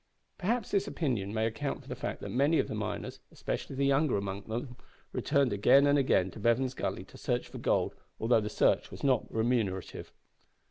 Perhaps this opinion may account for the fact that many of the miners especially the younger among them returned again and again to Bevan's Gully to search for gold although the search was not remunerative.